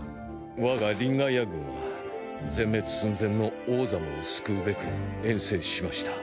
我がリンガイア軍は全滅寸前のオーザムを救うべく遠征しました。